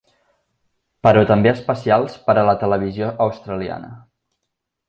Però també especials per a la televisió australiana.